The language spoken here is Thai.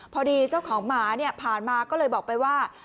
พอดีเจ้าของหมาเนี่ยผ่านมาก็เลยบอกไปว่า